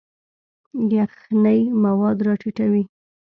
یخنۍ مواد راټیټوي.